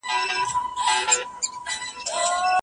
هغه قضاوت چې ولاړ وي نيمګړی دی.